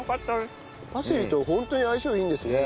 パセリと本当に相性いいんですね。